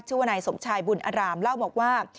ชื่อว่านายสมชายบุญอารามเล่าบอกว่า